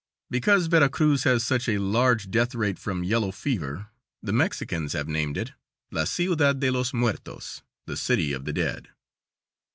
Because Vera Cruz has such a largo death rate from yellow fever the Mexicans have named it La Ciudad de los Muertos (the city of the dead).